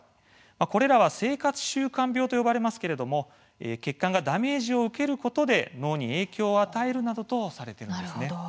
これらは生活習慣病と呼ばれますが血管がダメージを受けることで脳に悪影響を与えるとされています。